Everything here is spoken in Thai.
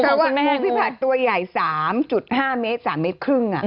เพราะว่างูพี่ผัดตัวใหญ่๓๕เมตร๓๕เมตร